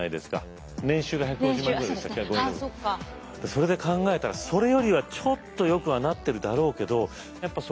それで考えたらそれよりはちょっとよくはなってるだろうけど労働ですもんね。